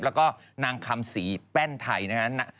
แล้วก็นางคำศรีแป้นไทยนะฮะ